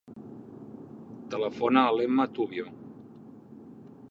Telefona a l'Emma Tubio.